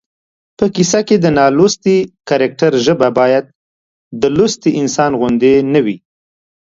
په کیسه کې د نالوستي کرکټر ژبه باید د لوستي انسان غوندې نه وي